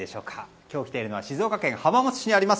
今日来ているのは静岡県浜松市にあります